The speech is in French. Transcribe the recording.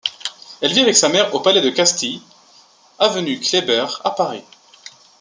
Elle vit avec sa mère au Palais de Castille avenue Kléber à Paris.